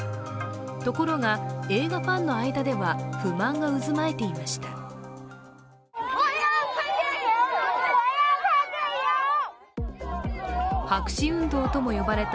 ところが映画ファンの間では不満が渦巻いていました。